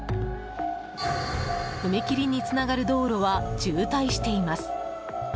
踏切につながる道路は渋滞しています。